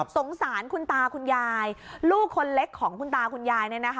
สงสารคุณตาคุณยายลูกคนเล็กของคุณตาคุณยาย